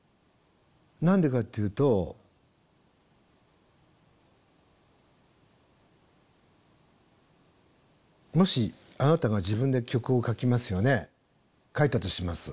何でかっていうともしあなたが自分で曲を書きますよね書いたとします。